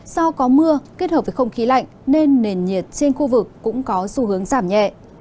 do có mưa kết hợp với không khí lạnh nên nền nhiệt trên khu vực cũng có xu hướng giảm nhẹ